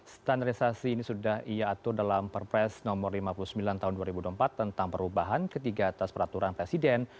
standarisasi ini sudah ia atur dalam perpres nomor lima puluh sembilan tahun dua ribu dua puluh empat tentang perubahan ketiga atas peraturan presiden